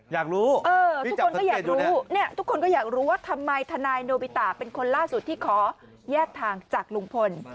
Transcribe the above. อยากรู้เออทุกคนก็อยากรู้เนี่ยทุกคนก็อยากรู้ว่าทำไมทนายโนบิตะเป็นคนล่าสุดที่ขอแยกทางจากลุงพล